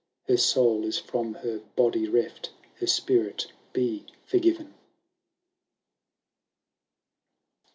Her soul is from her body reft ; Her spirit be forgiven